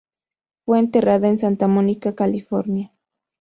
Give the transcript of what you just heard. Fue enterrada en Santa Monica, California.